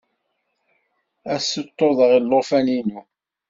Ad ssuṭuḍeɣ llufan-inu.